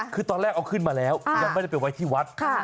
คือตอนแรกเอาขึ้นมาแล้วยังไม่ได้ไปไว้ที่วัด